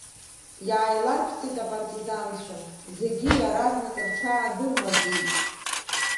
Иааиларԥсеит апартизанцәа, зегьы иаразнак рҽаадырмазеит.